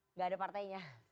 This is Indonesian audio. tidak ada partainya